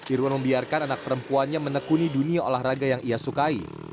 irwan membiarkan anak perempuannya menekuni dunia olahraga yang ia sukai